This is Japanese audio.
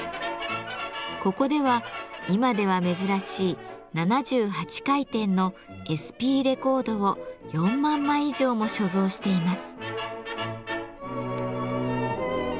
ここでは今では珍しい７８回転の「ＳＰレコード」を４万枚以上も所蔵しています。